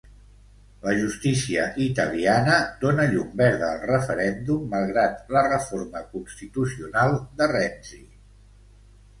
La justícia italiana dóna llum verda al referèndum malgrat la reforma constitucional de Renzi.